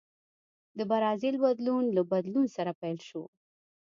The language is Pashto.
د برازیل بدلون له بدلون سره پیل شو.